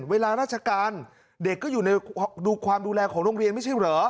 เวลาราชการเด็กก็อยู่ในความดูแลของโรงเรียนไม่ใช่เหรอ